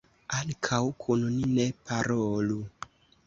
Ankaŭ kun ni ne parolu.